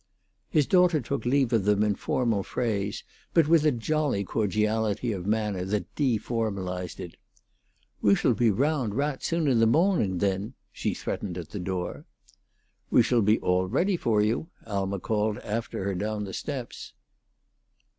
His daughter took leave of them in formal phrase, but with a jolly cordiality of manner that deformalized it. "We shall be roand raght soon in the mawning, then," she threatened at the door. "We shall be all ready for you," Alma called after her down the steps.